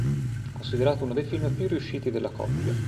Considerato uno dei film più riusciti della coppia.